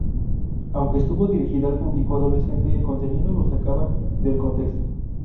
Aunque estuvo dirigida a público adolescente el contenido lo sacan del contexto.